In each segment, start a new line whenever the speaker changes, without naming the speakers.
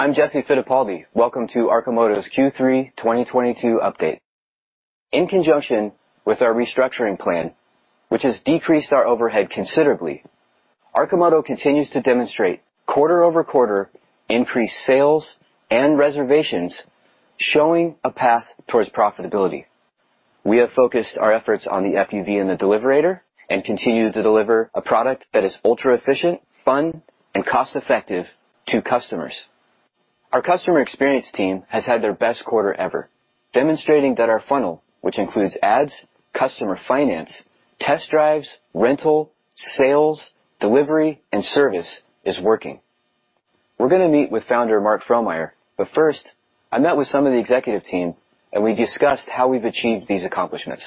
I'm Jesse Fittipaldi. Welcome to Arcimoto's Q3 2022 update. In conjunction with our restructuring plan, which has decreased our overhead considerably, Arcimoto continues to demonstrate quarter-over-quarter increased sales and reservations, showing a path towards profitability. We have focused our efforts on the FUV and the Deliverator, and continue to deliver a product that is ultra-efficient, fun, and cost-effective to customers. Our customer experience team has had their best quarter ever, demonstrating that our funnel, which includes ads, customer finance, test drives, rental, sales, delivery, and service, is working. We're gonna meet with founder Mark Frohnmayer, but first, I met with some of the executive team, and we discussed how we've achieved these accomplishments.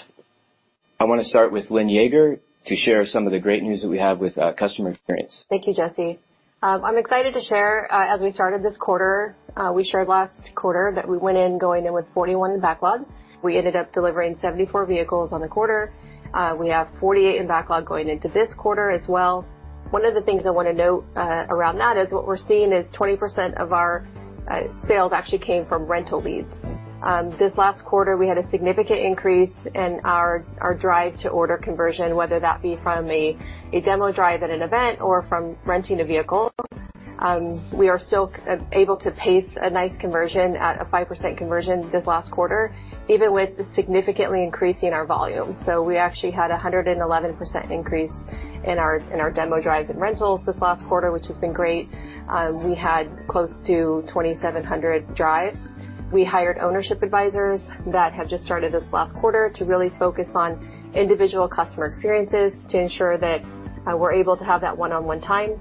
I wanna start with Lynn Yeager to share some of the great news that we have with customer experience.
Thank you, Jesse. I'm excited to share, as we started this quarter, we shared last quarter that we went in with 41 in backlog. We ended up delivering 74 vehicles on the quarter. We have 48 in backlog going into this quarter as well. One of the things I wanna note around that is what we're seeing is 20% of our sales actually came from rental leads. This last quarter, we had a significant increase in our drive to order conversion, whether that be from a demo drive at an event or from renting a vehicle. We are still able to pace a nice conversion at a 5% conversion this last quarter, even with significantly increasing our volume. We actually had a 111% increase in our demo drives and rentals this last quarter, which has been great. We had close to 2,700 drives. We hired ownership advisors that have just started this last quarter to really focus on individual customer experiences to ensure that we're able to have that one-on-one time.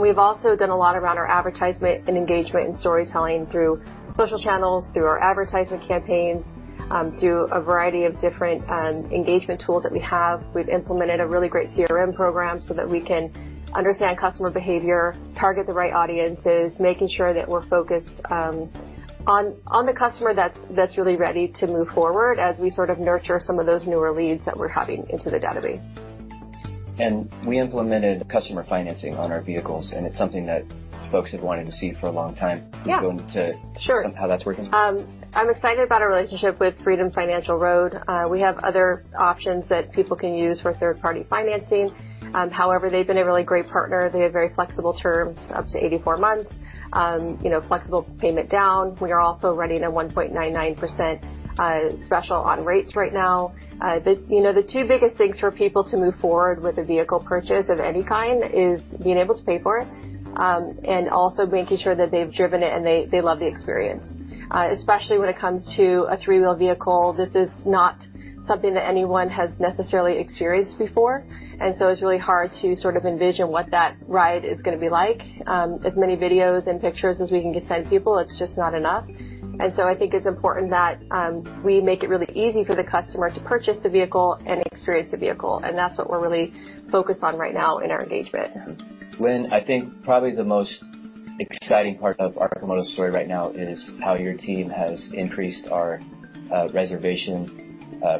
We've also done a lot around our advertisement and engagement and storytelling through social channels, through our advertising campaigns, through a variety of different engagement tools that we have. We've implemented a really great CRM program so that we can understand customer behavior, target the right audiences, making sure that we're focused on the customer that's really ready to move forward as we sort of nurture some of those newer leads that we're having into the database.
We implemented customer financing on our vehicles, and it's something that folks have wanted to see for a long time.
Yeah.
Can you go into?
Sure.
How that's working?
I'm excited about our relationship with FreedomRoad Financial. We have other options that people can use for third-party financing. However, they've been a really great partner. They have very flexible terms, up to 84 months. You know, flexible payment down. We are also running a 1.99% special on rates right now. You know, the two biggest things for people to move forward with a vehicle purchase of any kind is being able to pay for it and also making sure that they've driven it and they love the experience. Especially when it comes to a three-wheel vehicle, this is not something that anyone has necessarily experienced before, and so it's really hard to sort of envision what that ride is gonna be like. As many videos and pictures as we can send people, it's just not enough. I think it's important that we make it really easy for the customer to purchase the vehicle and experience the vehicle, and that's what we're really focused on right now in our engagement.
Lynn, I think probably the most exciting part of Arcimoto's story right now is how your team has increased our reservation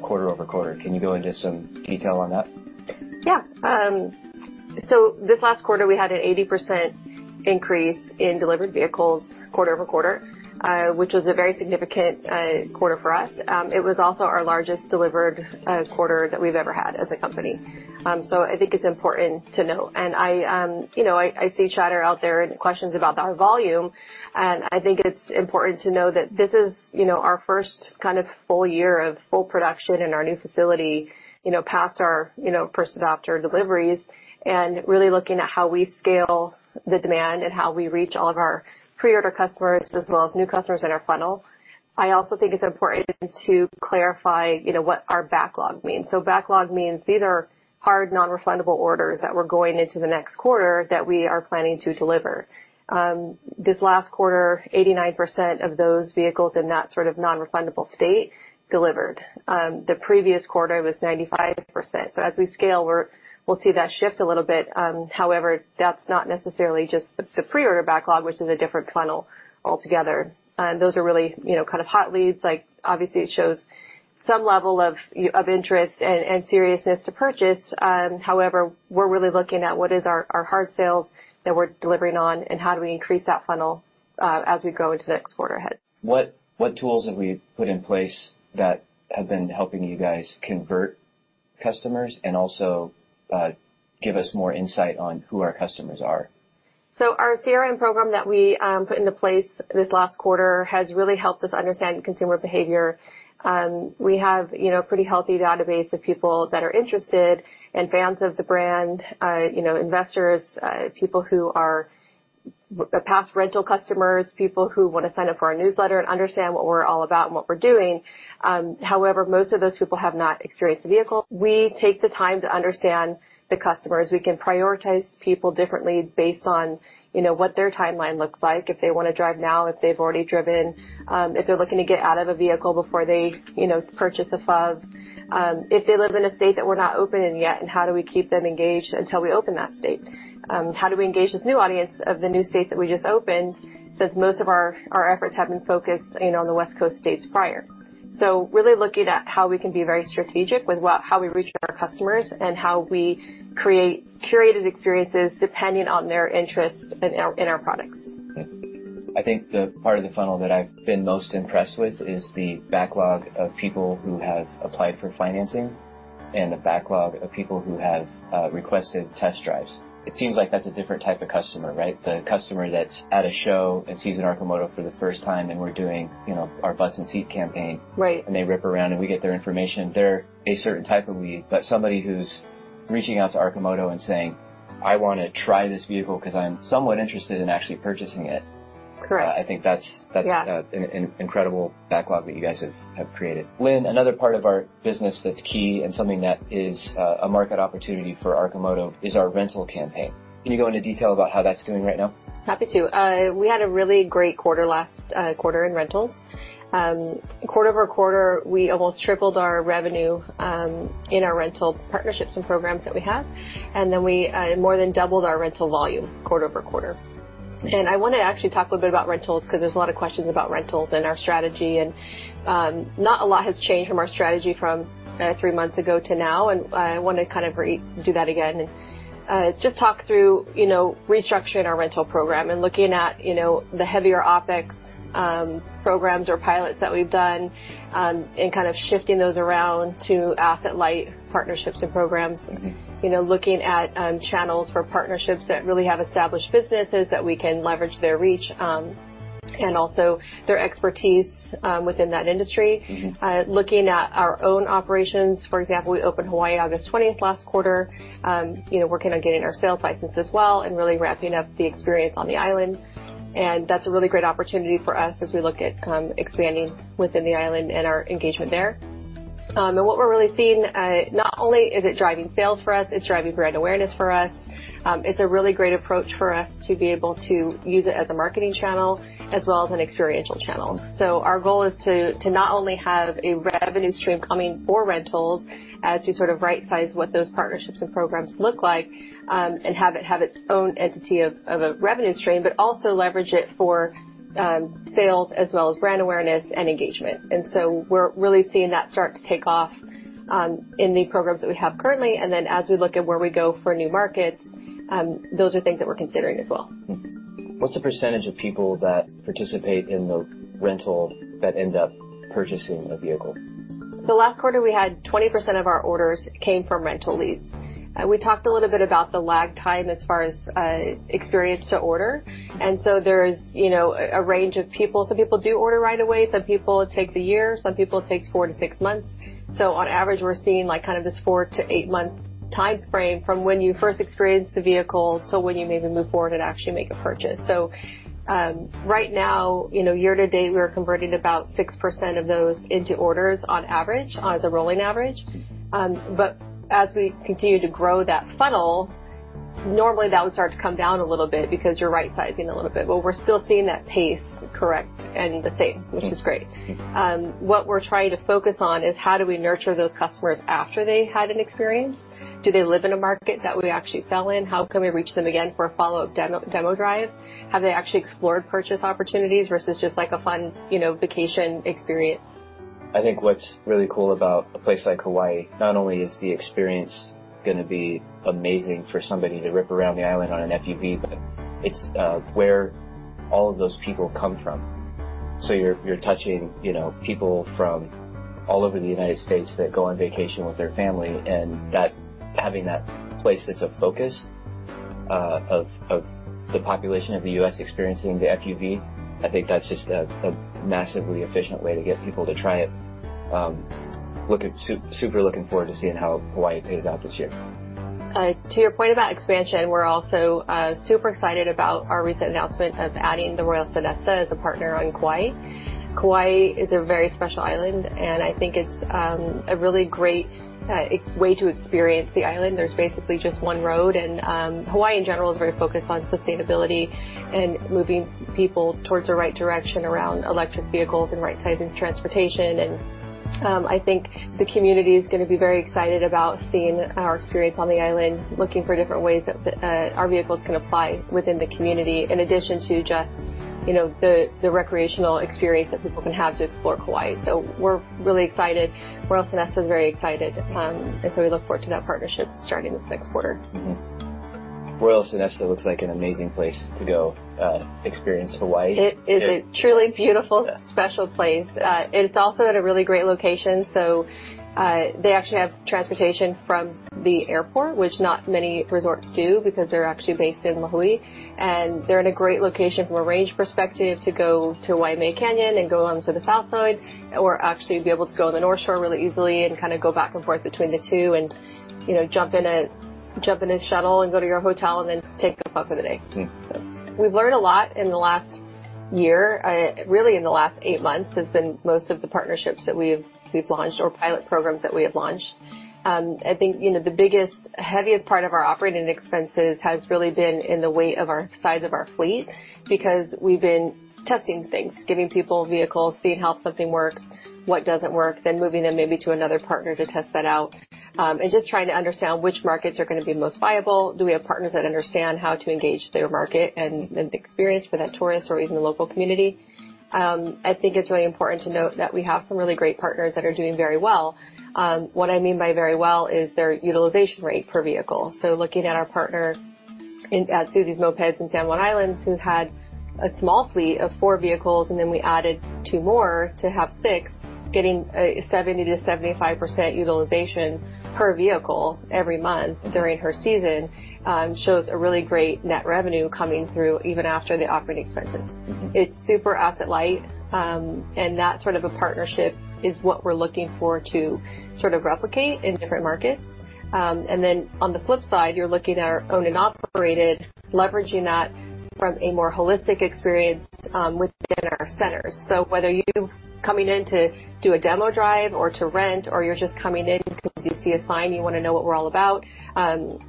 quarter-over-quarter. Can you go into some detail on that?
Yeah. This last quarter, we had an 80% increase in delivered vehicles quarter-over-quarter, which was a very significant quarter for us. It was also our largest delivered quarter that we've ever had as a company. I think it's important to know. I, you know, I see chatter out there and questions about our volume, and I think it's important to know that this is, you know, our first kind of full year of full production in our new facility, you know, past our, you know, first adopter deliveries, and really looking at how we scale the demand and how we reach all of our pre-order customers as well as new customers in our funnel. I also think it's important to clarify, you know, what our backlog means. Backlog means these are hard, non-refundable orders that were going into the next quarter that we are planning to deliver. This last quarter, 89% of those vehicles in that sort of non-refundable state delivered. The previous quarter was 95%. As we scale, we'll see that shift a little bit. However, that's not necessarily just the pre-order backlog, which is a different funnel altogether. Those are really, you know, kind of hot leads. Like, obviously it shows some level of of interest and seriousness to purchase. However, we're really looking at what is our hard sales that we're delivering on, and how do we increase that funnel, as we go into the next quarter ahead.
What tools have we put in place that have been helping you guys convert customers and also give us more insight on who our customers are?
Our CRM program that we put into place this last quarter has really helped us understand consumer behavior. We have, you know, a pretty healthy database of people that are interested and fans of the brand, you know, investors, people who are past rental customers, people who wanna sign up for our newsletter and understand what we're all about and what we're doing. However, most of those people have not experienced the vehicle. We take the time to understand the customers. We can prioritize people differently based on, you know, what their timeline looks like, if they wanna drive now, if they've already driven, if they're looking to get out of a vehicle before they, you know, purchase a FUV, if they live in a state that we're not open in yet, and how do we keep them engaged until we open that state? How do we engage this new audience of the new states that we just opened, since most of our efforts have been focused, you know, on the West Coast states prior? Really looking at how we can be very strategic with how we reach our customers and how we create curated experiences depending on their interest in our products.
I think the part of the funnel that I've been most impressed with is the backlog of people who have applied for financing and the backlog of people who have requested test drives. It seems like that's a different type of customer, right? The customer that's at a show and sees an Arcimoto for the first time, and we're doing, you know, our butts in seat campaign.
Right.
They rip around, and we get their information. They're a certain type of lead. Somebody who's reaching out to Arcimoto and saying, "I wanna try this vehicle 'cause I'm somewhat interested in actually purchasing it.
Correct.
I think that's.
Yeah.
That's an incredible backlog that you guys have created. Lynn, another part of our business that's key and something that is a market opportunity for Arcimoto is our rental campaign. Can you go into detail about how that's doing right now?
Happy to. We had a really great quarter last quarter in rentals. Quarter-over-quarter, we almost tripled our revenue in our rental partnerships and programs that we have. Then we more than doubled our rental volume quarter-over-quarter. I wanna actually talk a little bit about rentals 'cause there's a lot of questions about rentals and our strategy. Not a lot has changed from our strategy from three months ago to now, and I wanna kind of do that again and just talk through, you know, restructuring our rental program and looking at, you know, the heavier OpEx programs or pilots that we've done and kind of shifting those around to asset-light partnerships and programs.
Mm-hmm.
You know, looking at channels for partnerships that really have established businesses that we can leverage their reach, and also their expertise within that industry.
Mm-hmm.
Looking at our own operations. For example, we opened in Hawaii August 20th last quarter. You know, working on getting our sales license as well and really ramping up the experience on the island. That's a really great opportunity for us as we look at expanding within the island and our engagement there. What we're really seeing, not only is it driving sales for us, it's driving brand awareness for us. It's a really great approach for us to be able to use it as a marketing channel as well as an experiential channel. Our goal is to not only have a revenue stream coming for rentals as we sort of right-size what those partnerships and programs look like, and have it have its own entity of a revenue stream, but also leverage it for sales as well as brand awareness and engagement. We're really seeing that start to take off in the programs that we have currently. As we look at where we go for new markets, those are things that we're considering as well.
What's the percentage of people that participate in the rental that end up purchasing a vehicle?
Last quarter we had 20% of our orders came from rental leads. We talked a little bit about the lag time as far as experience to order. There's, you know, a range of people. Some people do order right away, some people it takes a year, some people it takes four to six months. On average, we're seeing like kind of this four to eight-month timeframe from when you first experience the vehicle to when you maybe move forward and actually make a purchase. Right now, you know, year-to-date, we are converting about 6% of those into orders on average, as a rolling average. As we continue to grow that funnel, normally that would start to come down a little bit because you're right-sizing a little bit, but we're still seeing that pace correct and the same.
Mm-hmm.
Which is great. What we're trying to focus on is how do we nurture those customers after they had an experience? Do they live in a market that we actually sell in? How can we reach them again for a follow-up demo drive? Have they actually explored purchase opportunities versus just like a fun, you know, vacation experience?
I think what's really cool about a place like Hawaii, not only is the experience gonna be amazing for somebody to rip around the island on an FUV, but it's where all of those people come from. You're touching, you know, people from all over the United States that go on vacation with their family, and having that place that's a focus of the population of the U.S. experiencing the FUV, I think that's just a massively efficient way to get people to try it. Super looking forward to seeing how Hawaii plays out this year.
To your point about expansion, we're also super excited about our recent announcement of adding The Royal Sonesta as a partner on Kauaʻi. Kauaʻi is a very special island, and I think it's a really great way to experience the island. There's basically just one road, and Hawaiʻi in general is very focused on sustainability and moving people towards the right direction around electric vehicles and right-sizing transportation. I think the community is gonna be very excited about seeing our experience on the island, looking for different ways that our vehicles can apply within the community, in addition to just, you know, the recreational experience that people can have to explore Kauaʻi. We're really excited. Royal Sonesta is very excited. We look forward to that partnership starting this next quarter.
Royal Sonesta looks like an amazing place to go, experience Hawaii.
It is a truly beautiful-
Yeah.
Special place. It's also at a really great location, so, they actually have transportation from the airport, which not many resorts do, because they're actually based in Lihue. They're in a great location from a range perspective to go to Waimea Canyon and go onto the south side or actually be able to go to the North Shore really easily and kinda go back and forth between the two and, you know, jump in a shuttle and go to your hotel and then take up for the day.
Mm.
We've learned a lot in the last year. Really in the last eight months has been most of the partnerships that we've launched or pilot programs that we have launched. I think, you know, the biggest, heaviest part of our operating expenses has really been in the weight of our size of our fleet because we've been testing things, giving people vehicles, seeing how something works, what doesn't work, then moving them maybe to another partner to test that out. Just trying to understand which markets are gonna be most viable. Do we have partners that understand how to engage their market and the experience for that tourist or even the local community? I think it's really important to note that we have some really great partners that are doing very well. What I mean by very well is their utilization rate per vehicle. Looking at our partner at Susie's Mopeds in San Juan Islands, who had a small fleet of four vehicles, and then we added two more to have six, getting a 70%-75% utilization per vehicle every month during her season, shows a really great net revenue coming through even after the operating expenses.
Mm-hmm.
It's super asset light. That sort of a partnership is what we're looking for to sort of replicate in different markets. On the flip side, you're looking at our owned and operated, leveraging that from a more holistic experience, within our centers. Whether you coming in to do a demo drive or to rent or you're just coming in because you see a sign, you wanna know what we're all about,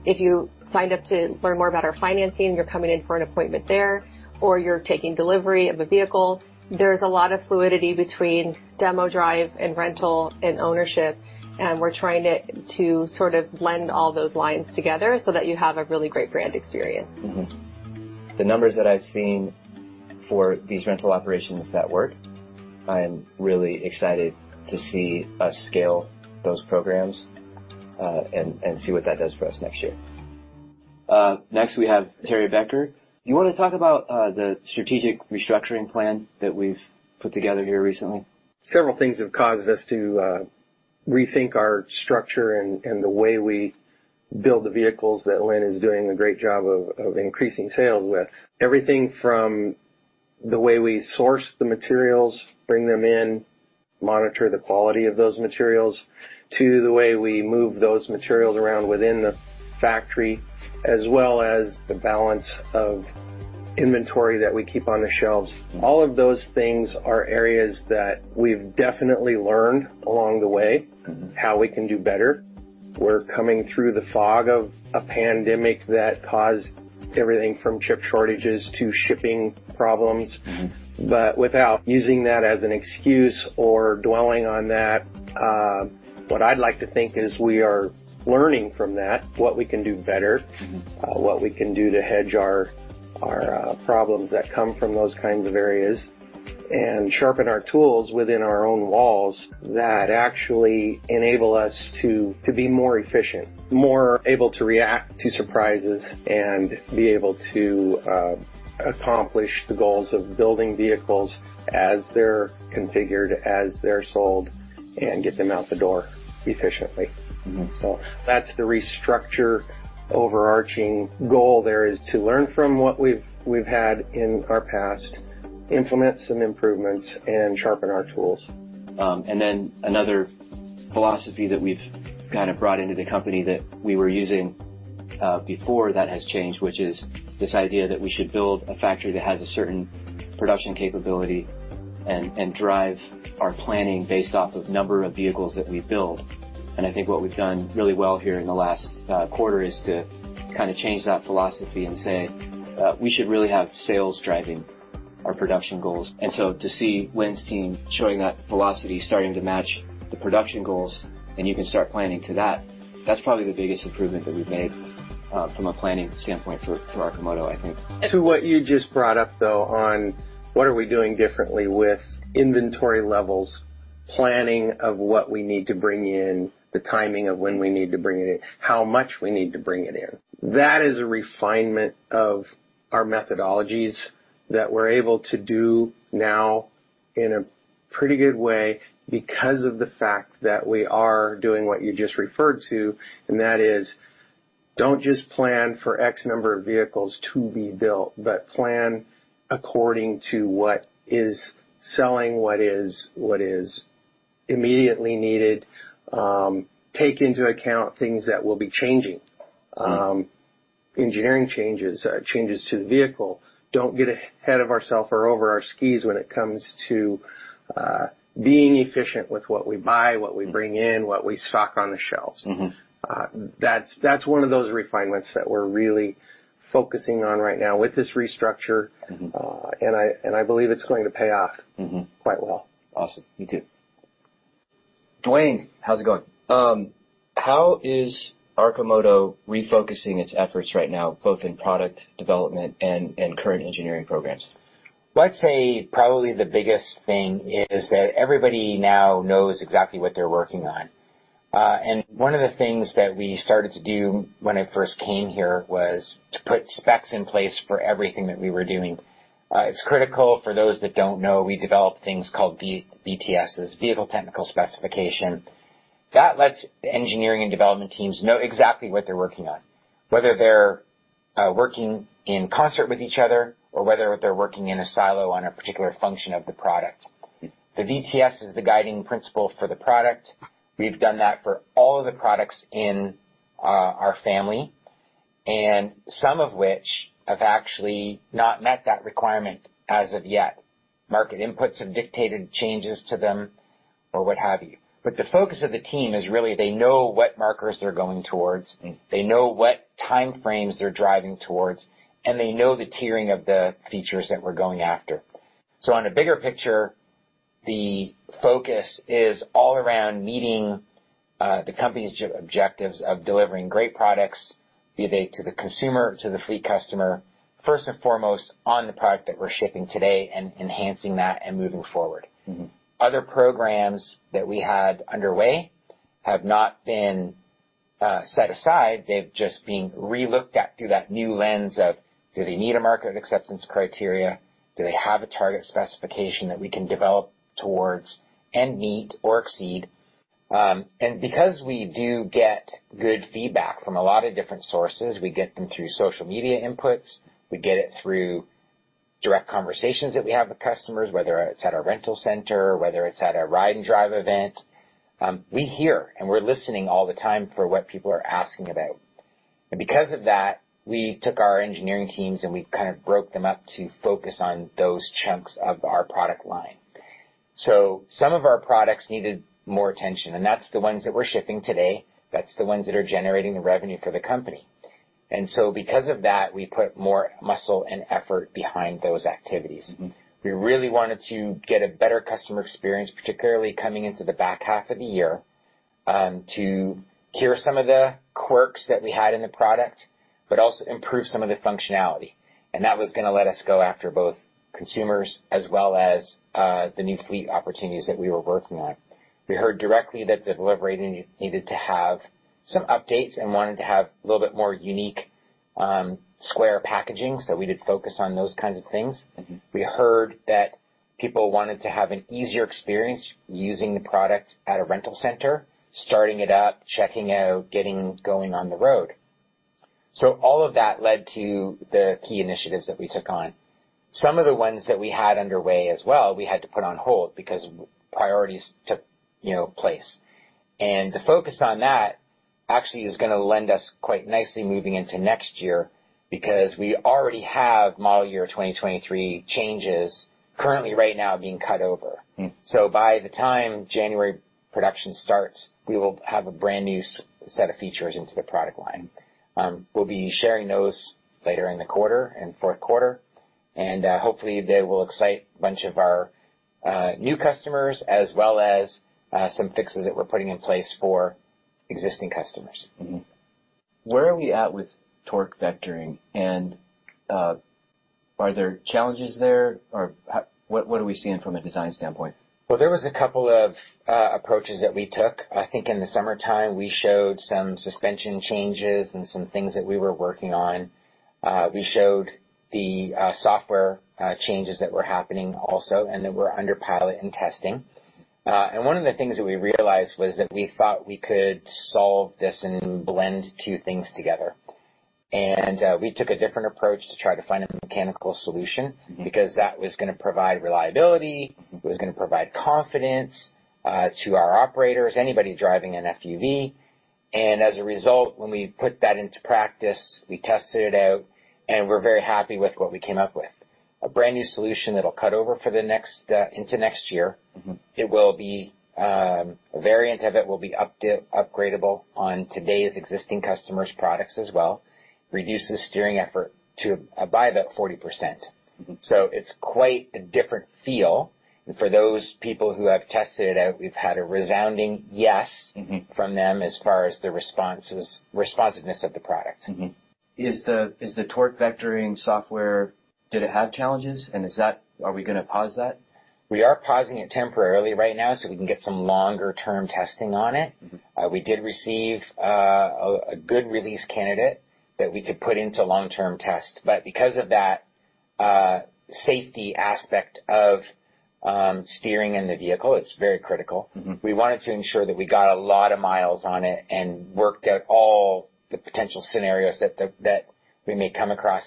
if you signed up to learn more about our financing, you're coming in for an appointment there, or you're taking delivery of a vehicle, there's a lot of fluidity between demo drive and rental and ownership, and we're trying to sort of blend all those lines together so that you have a really great brand experience.
Mm-hmm. The numbers that I've seen for these rental operations that work, I am really excited to see us scale those programs, and see what that does for us next year. Next, we have Terry Becker. Do you wanna talk about the strategic restructuring plan that we've put together here recently?
Several things have caused us to rethink our structure and the way we build the vehicles that Lynn is doing a great job of increasing sales with. Everything from the way we source the materials, bring them in, monitor the quality of those materials, to the way we move those materials around within the factory, as well as the balance of inventory that we keep on the shelves. All of those things are areas that we've definitely learned along the way.
Mm-hmm
How we can do better. We're coming through the fog of a pandemic that caused everything from chip shortages to shipping problems.
Mm-hmm.
Without using that as an excuse or dwelling on that, what I'd like to think is we are learning from that what we can do better.
Mm-hmm
What we can do to hedge our problems that come from those kinds of areas and sharpen our tools within our own walls that actually enable us to be more efficient, more able to react to surprises and be able to accomplish the goals of building vehicles as they're configured, as they're sold and get them out the door efficiently.
Mm-hmm.
That's the restructure overarching goal there is to learn from what we've had in our past, implement some improvements, and sharpen our tools.
Then another philosophy that we've kind of brought into the company that we were using before that has changed, which is this idea that we should build a factory that has a certain production capability and drive our planning based off of number of vehicles that we build. I think what we've done really well here in the last quarter is to kinda change that philosophy and say we should really have sales driving our production goals. To see Lynn's team showing that velocity starting to match the production goals, and you can start planning to that's probably the biggest improvement that we've made from a planning standpoint for Arcimoto, I think.
To what you just brought up, though, on what are we doing differently with inventory levels, planning of what we need to bring in, the timing of when we need to bring it in, how much we need to bring it in. That is a refinement of our methodologies that we're able to do now in a pretty good way because of the fact that we are doing what you just referred to, and that is, don't just plan for X number of vehicles to be built, but plan according to what is selling, what is immediately needed. Take into account things that will be changing. Engineering changes to the vehicle. Don't get ahead of ourselves or over our skis when it comes to being efficient with what we buy, what we bring in, what we stock on the shelves.
Mm-hmm.
That's one of those refinements that we're really focusing on right now with this restructure.
Mm-hmm.
I believe it's going to pay off.
Mm-hmm
Quite well.
Awesome. Me too. Dwayne, how's it going? How is Arcimoto refocusing its efforts right now, both in product development and current engineering programs?
Well, I'd say probably the biggest thing is that everybody now knows exactly what they're working on. One of the things that we started to do when I first came here was to put specs in place for everything that we were doing. It's critical. For those that don't know, we develop things called VTSs, Vehicle Technical Specification. That lets the engineering and development teams know exactly what they're working on, whether they're working in concert with each other or whether they're working in a silo on a particular function of the product. The VTS is the guiding principle for the product. We've done that for all of the products in our family, and some of which have actually not met that requirement as of yet. Market inputs have dictated changes to them or what have you. The focus of the team is really they know what markers they're going towards.
Mm-hmm
They know what time frames they're driving towards, and they know the tiering of the features that we're going after. The focus is all around meeting the company's objectives of delivering great products, be they to the consumer, to the fleet customer, first and foremost on the product that we're shipping today and enhancing that and moving forward.
Mm-hmm.
Other programs that we had underway have not been set aside. They've just been re-looked at through that new lens of, do they need a market acceptance criteria? Do they have a target specification that we can develop towards and meet or exceed? Because we do get good feedback from a lot of different sources, we get them through social media inputs, we get it through direct conversations that we have with customers, whether it's at our rental center, whether it's at our ride and drive event, we hear, and we're listening all the time for what people are asking about. Because of that, we took our engineering teams, and we kind of broke them up to focus on those chunks of our product line. Some of our products needed more attention, and that's the ones that we're shipping today. That's the ones that are generating the revenue for the company. Because of that, we put more muscle and effort behind those activities.
Mm-hmm.
We really wanted to get a better customer experience, particularly coming into the back half of the year, to cure some of the quirks that we had in the product, but also improve some of the functionality. That was gonna let us go after both consumers as well as, the new fleet opportunities that we were working on. We heard directly that the delivery needed to have some updates and wanted to have a little bit more unique, square packaging. We did focus on those kinds of things.
Mm-hmm.
We heard that people wanted to have an easier experience using the product at a rental center, starting it up, checking out, getting going on the road. All of that led to the key initiatives that we took on. Some of the ones that we had underway as well, we had to put on hold because priorities took, you know, place. The focus on that actually is gonna lend us quite nicely moving into next year because we already have model year 2023 changes currently right now being cut over.
Mm-hmm.
By the time January production starts, we will have a brand new set of features into the product line. We'll be sharing those later in the quarter, in fourth quarter, and hopefully they will excite a bunch of our new customers as well as some fixes that we're putting in place for existing customers.
Mm-hmm. Where are we at with torque vectoring? Are there challenges there? What do we stand from a design standpoint?
Well, there was a couple of approaches that we took. I think in the summertime, we showed some suspension changes and some things that we were working on. We showed the software changes that were happening also and that were under pilot and testing. One of the things that we realized was that we thought we could solve this and blend two things together. We took a different approach to try to find a mechanical solution.
Mm-hmm.
Because that was gonna provide reliability, it was gonna provide confidence to our operators, anybody driving an FUV. As a result, when we put that into practice, we tested it out, and we're very happy with what we came up with. A brand new solution that'll cut over for the next into next year.
Mm-hmm.
It will be, a variant of it will be upgradeable on today's existing customers' products as well. Reduce the steering effort by about 40%.
Mm-hmm.
It's quite a different feel. For those people who have tested it out, we've had a resounding yes.
Mm-hmm.
From them as far as the responsiveness of the product.
Is the torque vectoring software? Did it have challenges? Is that? Are we gonna pause that?
We are pausing it temporarily right now so we can get some longer term testing on it.
Mm-hmm.
We did receive a good release candidate that we could put into long-term test. Because of that, safety aspect of steering in the vehicle, it's very critical.
Mm-hmm.
We wanted to ensure that we got a lot of miles on it and worked out all the potential scenarios that we may come across.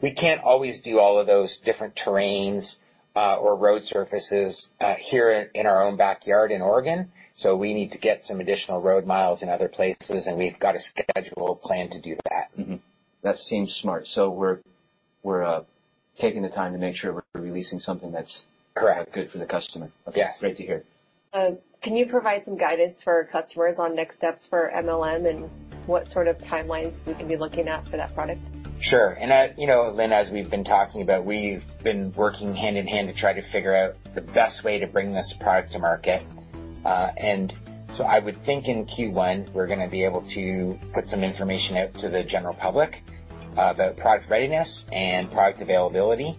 We can't always do all of those different terrains, or road surfaces, here in our own backyard in Oregon, so we need to get some additional road miles in other places, and we've got a schedule plan to do that.
Mm-hmm. That seems smart. We're taking the time to make sure we're releasing something that's.
Correct.
Good for the customer.
Yes.
Okay. Great to hear.
Can you provide some guidance for our customers on next steps for MLM and what sort of timelines we can be looking at for that product?
Sure. You know, Lynn, as we've been talking about, we've been working hand in hand to try to figure out the best way to bring this product to market. I would think in Q1, we're gonna be able to put some information out to the general public about product readiness and product availability.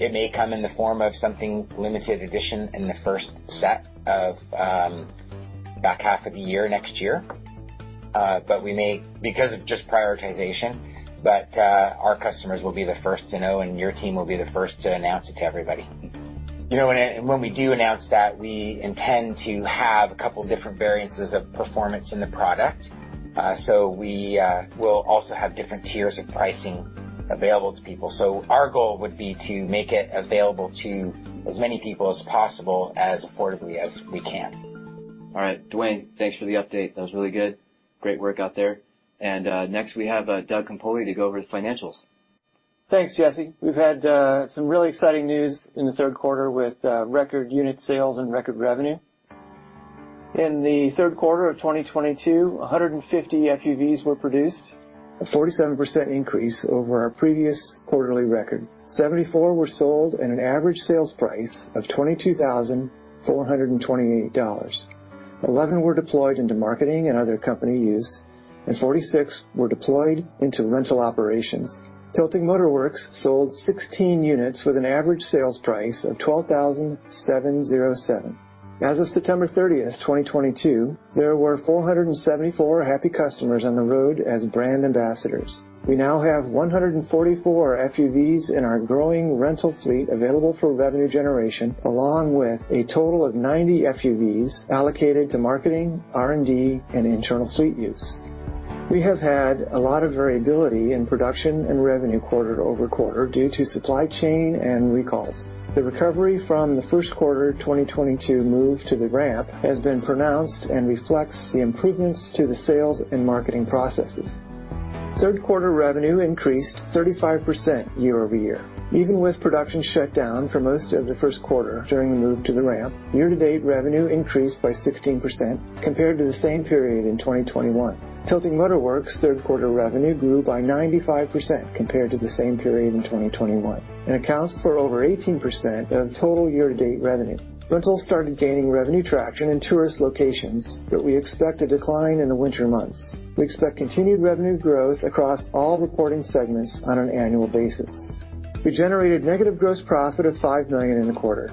It may come in the form of something limited edition in the second half of the year next year. But we may, because of just prioritization, our customers will be the first to know, and your team will be the first to announce it to everybody. You know, when we do announce that, we intend to have a couple different variants of performance in the product. We will also have different tiers of pricing available to people. Our goal would be to make it available to as many people as possible as affordably as we can.
All right. Dwayne, thanks for the update. That was really good. Great work out there. Next we have Douglas Campoli to go over the financials.
Thanks, Jesse. We've had some really exciting news in the third quarter with record unit sales and record revenue. In the third quarter of 2022, 150 FUVs were produced, a 47% increase over our previous quarterly record. 70 were sold at an average sales price of $22,428. 11 were deployed into marketing and other company use, and 46 were deployed into rental operations. Tilting Motor Works sold 16 units with an average sales price of $12,707. As of September thirtieth, 2022, there were 474 happy customers on the road as brand ambassadors. We now have 144 FUVs in our growing rental fleet available for revenue generation, along with a total of 90 FUVs allocated to marketing, R&D, and internal fleet use. We have had a lot of variability in production and revenue quarter-over-quarter due to supply chain and recalls. The recovery from the first quarter 2022 move to the ramp has been pronounced and reflects the improvements to the sales and marketing processes. Third quarter revenue increased 35% year-over-year. Even with production shut down for most of the first quarter during the move to the ramp, year-to-date revenue increased by 16% compared to the same period in 2021. Tilting Motor Works's third quarter revenue grew by 95% compared to the same period in 2021 and accounts for over 18% of total year-to-date revenue. Rentals started gaining revenue traction in tourist locations, but we expect a decline in the winter months. We expect continued revenue growth across all reporting segments on an annual basis. We generated negative gross profit of $5 million in the quarter.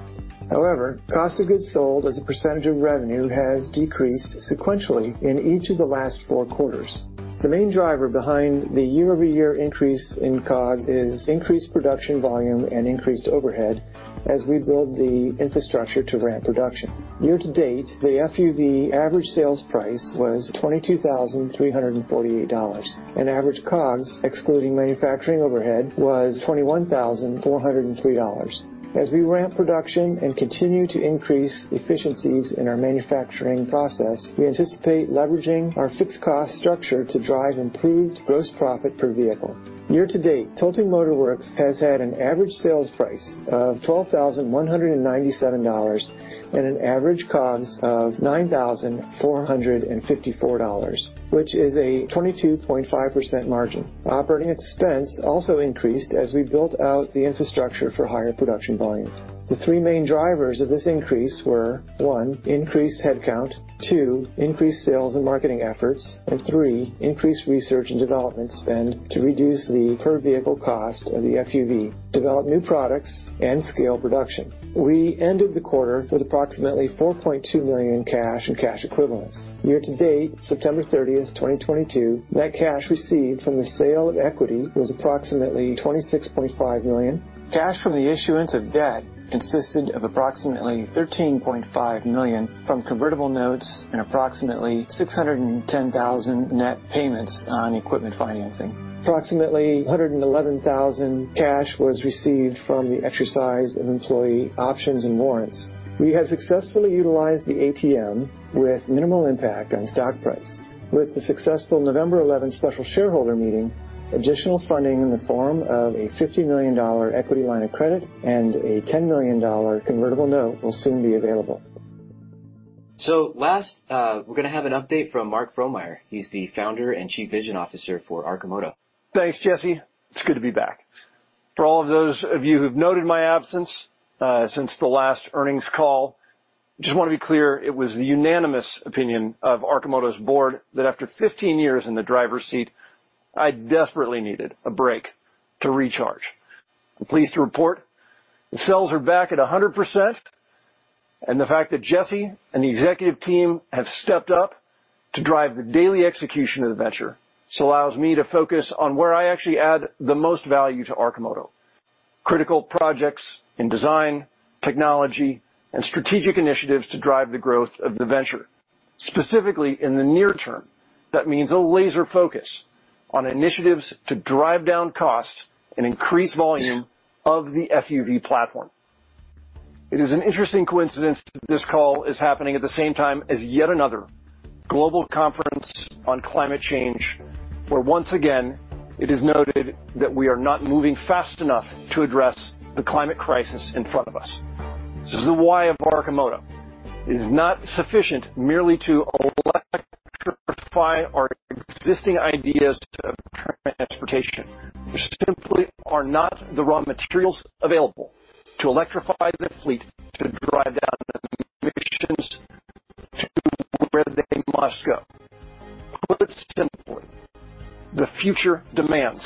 However, cost of goods sold as a percentage of revenue has decreased sequentially in each of the last four quarters. The main driver behind the year-over-year increase in COGS is increased production volume and increased overhead as we build the infrastructure to ramp production. year-to-date, the FUV average sales price was $22,348, and average COGS, excluding manufacturing overhead, was $21,403. As we ramp production and continue to increase efficiencies in our manufacturing process, we anticipate leveraging our fixed cost structure to drive improved gross profit per vehicle. year-to-date, Tilting Motor Works has had an average sales price of $12,197 and an average COGS of $9,454, which is a 22.5% margin. Operating expense also increased as we built out the infrastructure for higher production volume. The three main drivers of this increase were, one, increased headcount, two, increased sales and marketing efforts, and three, increased research and development spend to reduce the per-vehicle cost of the FUV, develop new products, and scale production. We ended the quarter with approximately $4.2 million in cash and cash equivalents. year-to-date, September 30, 2022, net cash received from the sale of equity was approximately $26.5 million. Cash from the issuance of debt consisted of approximately $13.5 million from convertible notes and approximately $610,000 net payments on equipment financing. Approximately $111,000 cash was received from the exercise of employee options and warrants. We have successfully utilized the ATM with minimal impact on stock price. With the successful November eleventh special shareholder meeting, additional funding in the form of a $50 million equity line of credit and a $10 million convertible note will soon be available.
Lastly, we're gonna have an update from Mark Frohnmayer. He's the founder and chief vision officer for Arcimoto.
Thanks, Jesse. It's good to be back. For all of those of you who've noted my absence since the last earnings call, just wanna be clear, it was the unanimous opinion of Arcimoto's board that after 15 years in the driver's seat, I desperately needed a break to recharge. I'm pleased to report the cells are back at 100%, and the fact that Jesse and the executive team have stepped up to drive the daily execution of the venture, this allows me to focus on where I actually add the most value to Arcimoto. Critical projects in design, technology, and strategic initiatives to drive the growth of the venture. Specifically in the near term, that means a laser focus on initiatives to drive down costs and increase volume of the FUV platform. It is an interesting coincidence that this call is happening at the same time as yet another global conference on climate change, where once again, it is noted that we are not moving fast enough to address the climate crisis in front of us. This is the why of Arcimoto. It is not sufficient merely to electrify our existing ideas of transportation. There simply are not the raw materials available to electrify the fleet to drive down emissions to where they must go. Put simply, the future demands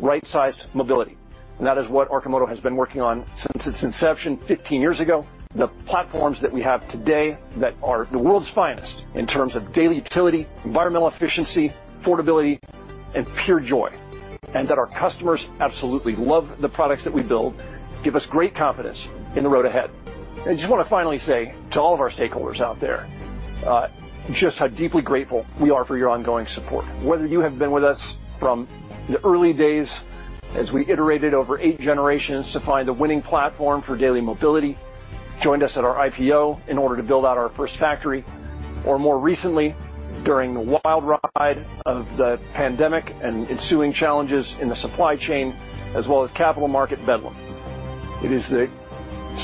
right-sized mobility, and that is what Arcimoto has been working on since its inception 15 years ago. The platforms that we have today that are the world's finest in terms of daily utility, environmental efficiency, affordability, and pure joy, and that our customers absolutely love the products that we build, give us great confidence in the road ahead. I just wanna finally say to all of our stakeholders out there, just how deeply grateful we are for your ongoing support. Whether you have been with us from the early days as we iterated over eight generations to find a winning platform for daily mobility, joined us at our IPO in order to build out our first factory, or more recently, during the wild ride of the pandemic and ensuing challenges in the supply chain, as well as capital market bedlam. It is the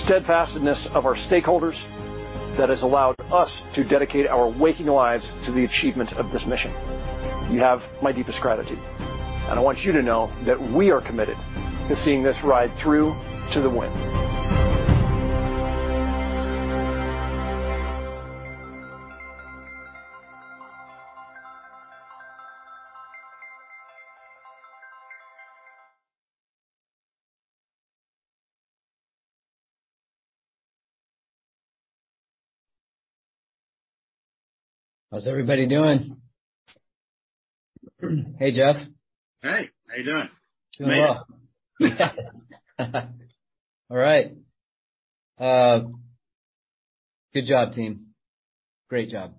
steadfastness of our stakeholders that has allowed us to dedicate our waking lives to the achievement of this mission. You have my deepest gratitude, and I want you to know that we are committed to seeing this ride through to the end.
How's everybody doing? Hey, Jeff.
Hey. How you doing?
Doing well. All right. Good job, team. Great job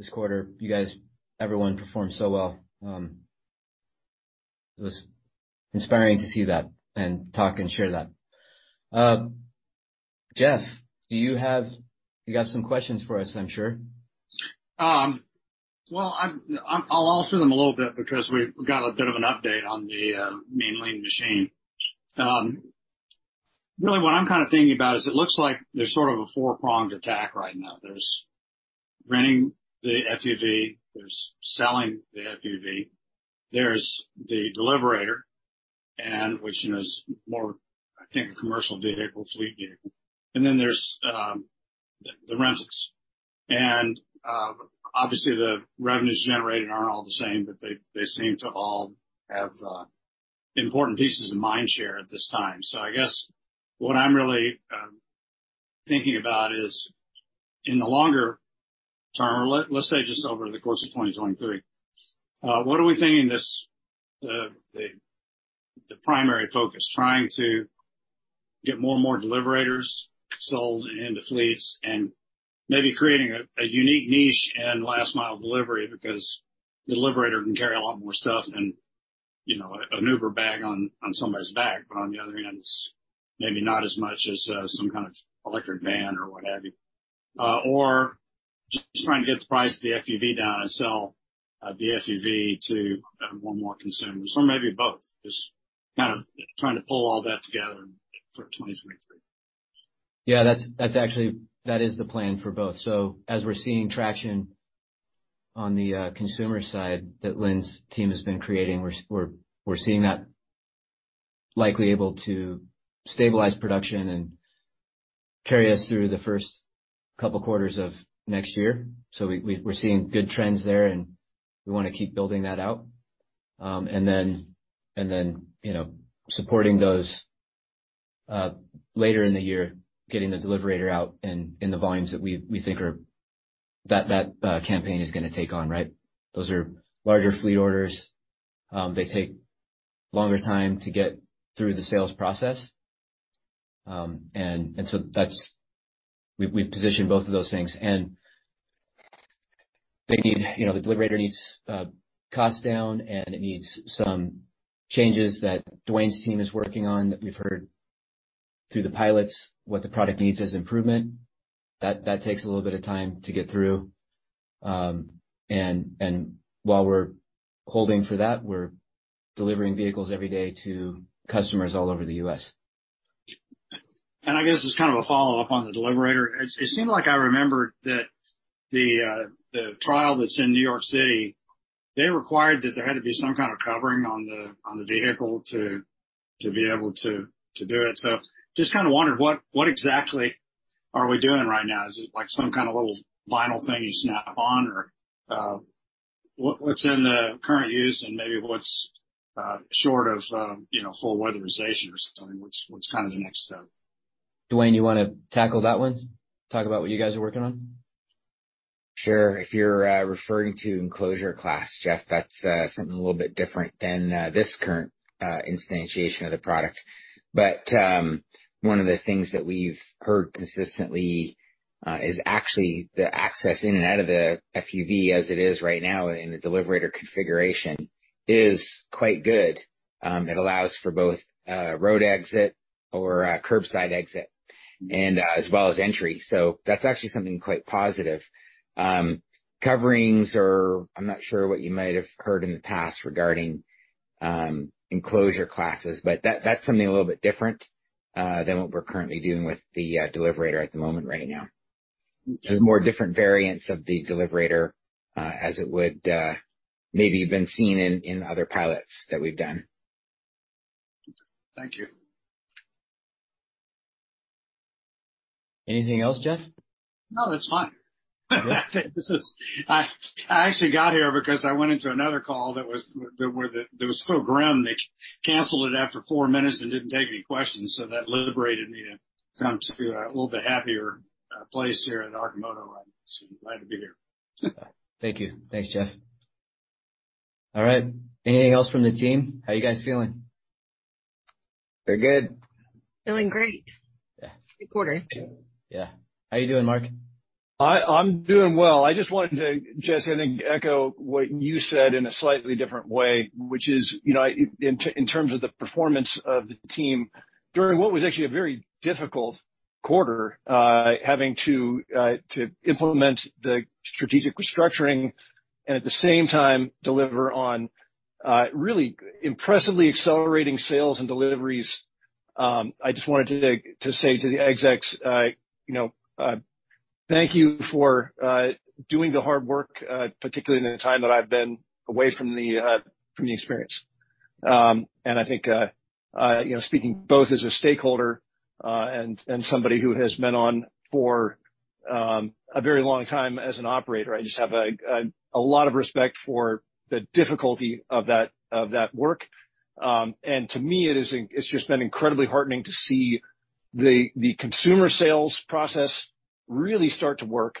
this quarter. You guys, everyone performed so well. It was inspiring to see that and talk and share that. Jeff, you got some questions for us, I'm sure.
Well, I'll answer them a little bit because we've got a bit of an update on the Mean Lean Machine. Really what I'm kinda thinking about is it looks like there's sort of a four-pronged attack right now. There's renting the FUV, there's selling the FUV, there's the Deliverator, which is more, I think, a commercial vehicle, fleet vehicle. Then there's the rentals. Obviously, the revenues generated aren't all the same, but they seem to all have important pieces of mindshare at this time. I guess what I'm really thinking about is in the longer term, or let's say just over the course of 2023, what are we thinking the primary focus, trying to get more and more Deliverators sold into fleets and maybe creating a unique niche in last mile delivery because Deliverator can carry a lot more stuff than, you know, an Uber bag on somebody's back. But on the other hand, it's maybe not as much as some kind of electric van or what have you. Or just trying to get the price of the FUV down and sell the FUV to more and more consumers. Maybe both. Just kind of trying to pull all that together for 2023.
Yeah, that's actually the plan for both. As we're seeing traction on the consumer side that Lynn's team has been creating, we're seeing that likely able to stabilize production and carry us through the first couple quarters of next year. We're seeing good trends there, and we wanna keep building that out. You know, supporting those later in the year, getting the Deliverator out and in the volumes that we think that campaign is gonna take on, right? Those are larger fleet orders. They take longer time to get through the sales process. We've positioned both of those things. They need, you know, the Deliverator needs cost down, and it needs some changes that Dwayne's team is working on that we've heard through the pilots, what the product needs as improvement. That takes a little bit of time to get through. While we're holding for that, we're delivering vehicles every day to customers all over the U.S.
I guess as kind of a follow-up on the Deliverator, it seemed like I remembered that the trial that's in New York City, they required that there had to be some kind of covering on the vehicle to be able to do it. Just kinda wondered what exactly are we doing right now? Is it like some kinda little vinyl thing you snap on or what's in the current use and maybe what's short of, you know, full weatherization or something, what's kinda the next step?
Dwayne, you wanna tackle that one? Talk about what you guys are working on.
Sure. If you're referring to enclosure class, Jeff, that's something a little bit different than this current instantiation of the product. One of the things that we've heard consistently is actually the access in and out of the FUV as it is right now in the Deliverator configuration is quite good. It allows for both road exit or curbside exit and as well as entry. That's actually something quite positive. Coverings or I'm not sure what you might have heard in the past regarding enclosure classes, but that's something a little bit different than what we're currently doing with the Deliverator at the moment right now. Just more different variants of the Deliverator as it would maybe been seen in other pilots that we've done.
Thank you.
Anything else, Jeff?
No, that's fine. I actually got here because I went into another call that was so grim, they canceled it after four minutes and didn't take any questions. That liberated me to come to a little bit happier place here at Arcimoto. Glad to be here.
Thank you. Thanks, Jeff. All right, anything else from the team? How you guys feeling?
We're good.
Feeling great. Yeah. Great quarter. Yeah. How you doing, Mark?
I'm doing well. I just wanted to, Jesse, I think echo what you said in a slightly different way, which is, you know, in terms of the performance of the team during what was actually a very difficult quarter, having to implement the strategic restructuring and at the same time deliver on really impressively accelerating sales and deliveries. I just wanted to say to the execs, you know, thank you for doing the hard work, particularly in the time that I've been away from the experience. I think, you know, speaking both as a stakeholder and somebody who has been on for a very long time as an operator, I just have a lot of respect for the difficulty of that work. To me it's just been incredibly heartening to see the consumer sales process really start to work,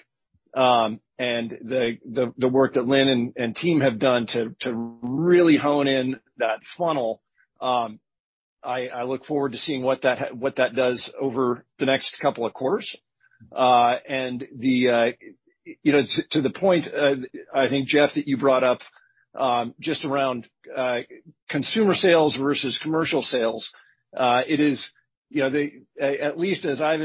and the work that Lynn and team have done to really hone in that funnel. I look forward to seeing what that does over the next couple of quarters. You know, to the point, I think, Jeff, that you brought up, just around consumer sales versus commercial sales, it is, you know, at least as I've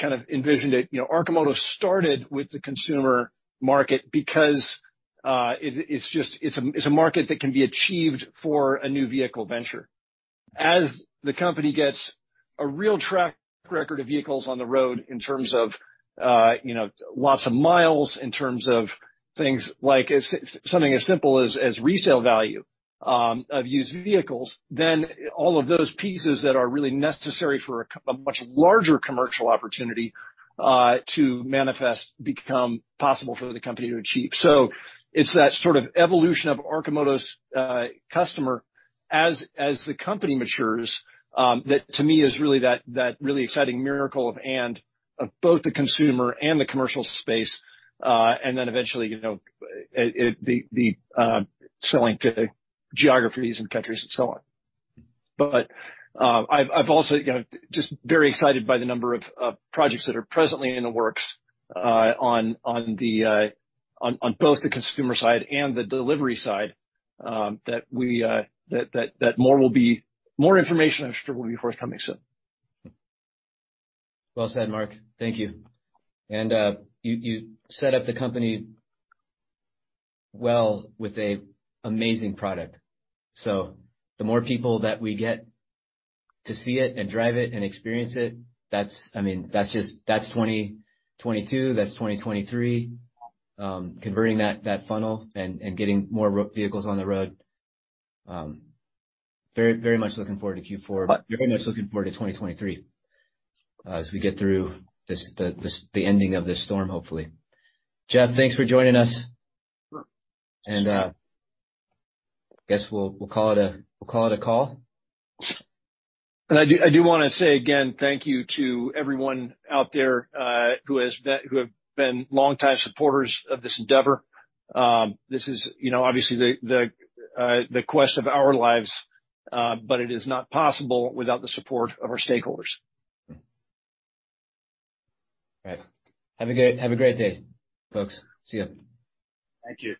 kind of envisioned it, you know, Arcimoto started with the consumer market because, it's just a market that can be achieved for a new vehicle venture. As the company gets a real track record of vehicles on the road in terms of, you know, lots of miles, in terms of things like something as simple as resale value of used vehicles, then all of those pieces that are really necessary for a much larger commercial opportunity to manifest become possible for the company to achieve. It's that sort of evolution of Arcimoto's customer as the company matures that to me is really that really exciting miracle of both the consumer and the commercial space, and then eventually, you know, the selling to geographies and countries and so on. I've also, you know, just very excited by the number of projects that are presently in the works, on both the consumer side and the delivery side, that more information, I'm sure, will be forthcoming soon.
Well said, Mark, thank you. You set up the company well with an amazing product. The more people that we get to see it and drive it and experience it, that's—I mean, that's 2022, that's 2023, converting that funnel and getting more vehicles on the road. Very much looking forward to Q4, but very much looking forward to 2023, as we get through the ending of this storm, hopefully. Jeff, thanks for joining us.
Sure. Guess we'll call it a call.
I do wanna say, again, thank you to everyone out there, who have been longtime supporters of this endeavor. This is, you know, obviously the quest of our lives, but it is not possible without the support of our stakeholders.
Right. Have a great day, folks. See ya.
Thank you.